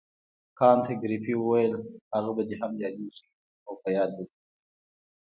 کانت ګریفي وویل هغه به دې هم یادیږي او په یاد به دې وي.